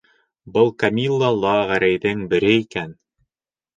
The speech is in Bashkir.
Был Камила ла Гәрәйҙең бере икән!